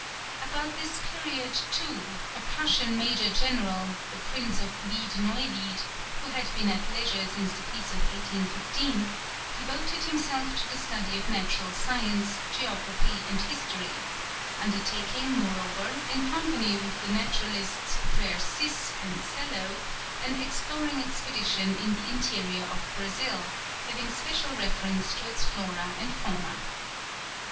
About this period too a Prussian Major General, the Prince of Wied Neuwied, who had been at leisure since the peace of 1815, devoted himself to the study of natural science, geography, and history, undertaking moreover, in company with the naturalists Freirciss and Sellow, an exploring expedition in the interior of Brazil, having special reference to its flora and fauna.